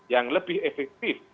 yang lebih efektif